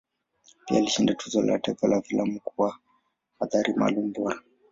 Pia alishinda Tuzo la Taifa la Filamu kwa Athari Maalum Bora.